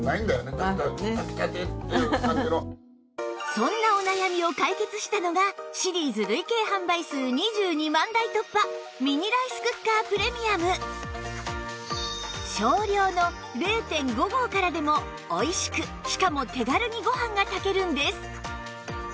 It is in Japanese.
そんなお悩みを解決したのがシリーズ累計販売数２２万台突破少量の ０．５ 合からでも美味しくしかも手軽にご飯が炊けるんです